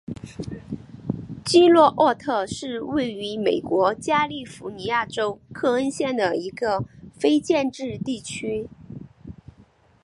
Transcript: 基洛沃特是位于美国加利福尼亚州克恩县的一个非建制地区。